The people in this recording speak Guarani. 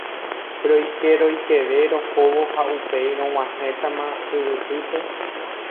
Roikeroikeve rohóvo ha upéi rog̃uahẽtama tyvytýpe